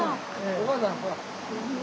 おかあさんほら。